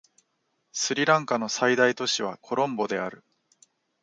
スリランカの最大都市はコロンボである